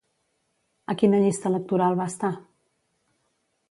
A quina llista electoral va estar?